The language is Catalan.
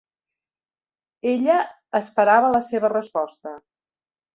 Ella esperava la seva resposta.